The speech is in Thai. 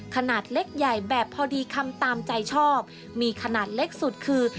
ขนาดเล็กใหญ่แบบพอดีคำตามใจชอบมีขนาดเล็กสุดคือ